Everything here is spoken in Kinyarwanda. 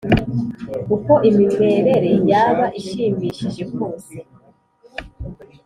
uko imimerere yaba ishimishije kose